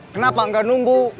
kenapa gak nunggu